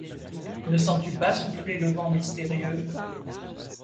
Ne sens-tu pas souffler le vent mystérieux?